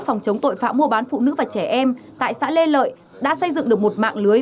phòng chống tội phạm mua bán phụ nữ và trẻ em tại xã lê lợi đã xây dựng được một mạng lưới